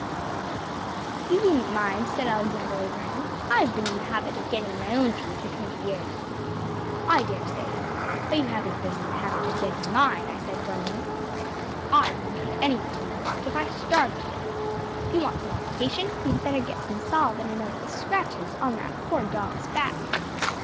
“You needn’t mind,‚ÄĚ said Alexander Abraham. “I’ve been in the habit of getting my own tea for twenty years.‚ÄĚ “I daresay. But you haven’t been in the habit of getting mine,‚ÄĚ I said firmly. “I wouldn’t eat anything you cooked if I starved to death. If you want some occupation, you’d better get some salve and anoint the scratches on that poor dog’s back.